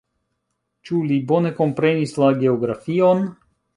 Ĉu li bone komprenis la geografion?